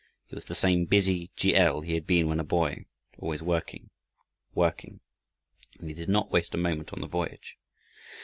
He was the same busy G. L. he had been when a boy; always working, working, and he did not waste a moment on the voyage.